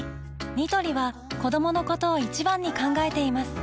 ニトリは子どものことを一番に考えています